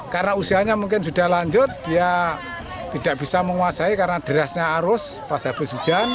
karena usianya mungkin sudah lanjut dia tidak bisa menguasai karena derasnya arus pas habis hujan